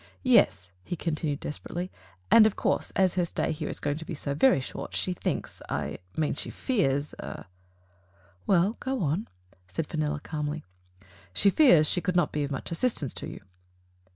"Yes," he continued desperately, "and, of course, as her stay here is going to be so very short, she thinks — I mean she fears " "Well, go on," said Fenella calmly. *'She fears that she could not be of much assistance to you."